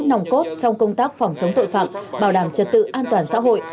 nòng cốt trong công tác phòng chống tội phạm bảo đảm trật tự an toàn xã hội